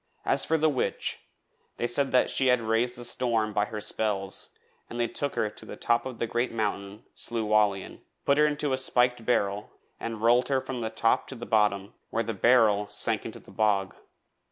As for the witch, they said she had raised the storm by her spells and they took her to the top of the great mountain Slieu Whallian, put her into a spiked barrel and rolled her from the top to the bottom, where the barrel sank into the bog.